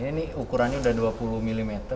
ini ukurannya udah dua puluh mm